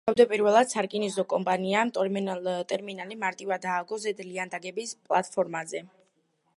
თავდაპირველად, სარკინიგზო კომპანიამ ტერმინალი მარტივად ააგო ზედ ლიანდაგების პლატფორმაზე.